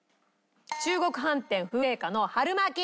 中国飯店富麗華の春巻き。